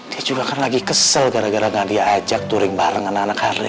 dia juga kan lagi kesel gara gara gak diajak turing bareng anak anak hari